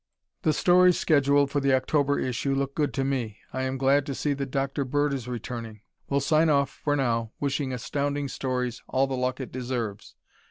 The stories scheduled for the October issue look good to me. Am glad to see that Dr. Bird is returning. Will sign off now wishing Astounding Stories all the luck it deserves.